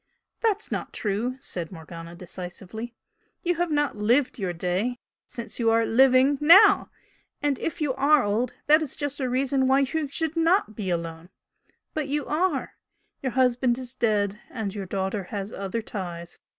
"That's not true," said Morgana, decisively "You have not 'lived your day' since you are living NOW! And if you are old, that is just a reason why you should NOT be alone. But you ARE. Your husband is dead, and your daughter has other ties.